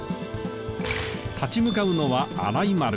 立ち向かうのは荒井丸。